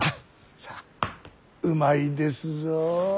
さあうまいですぞ。